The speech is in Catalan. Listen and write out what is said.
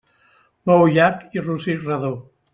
Bou llarg i rossí redó.